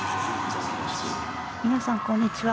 皆さん、こんにちは。